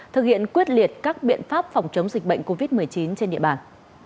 thực hiện quyết liệt các biện pháp phòng chống dịch bệnh covid một mươi chín trên địa bàn